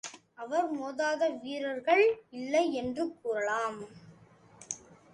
அவன் மோதாத வீரர்கள் இல்லை என்று கூறலாம்.